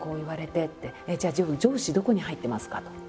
「じゃあ上司どこに入ってますか？」と。